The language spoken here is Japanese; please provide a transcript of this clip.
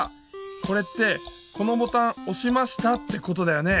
これって「このボタンおしました」ってことだよね！